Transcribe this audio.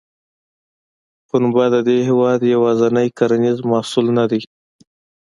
پنبه د دې هېواد یوازینی کرنیز محصول نه دی.